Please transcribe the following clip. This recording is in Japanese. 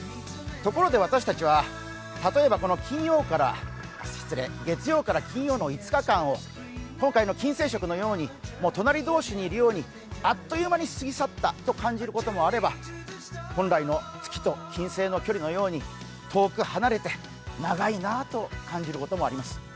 ところで、私たちは例えば月曜から金曜の５日間を今回の金星食のように隣同士にいるようにあっという間に過ぎ去ったと感じることもあれば、本来の月と金星の距離のように遠く離れて長いなと感じることもあります。